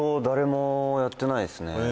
誰もやってないですね